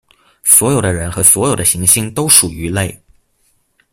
所有的人和所有的行星都属于类。